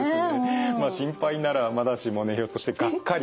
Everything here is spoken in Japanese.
心配ならまだしもねひょっとしてがっかり。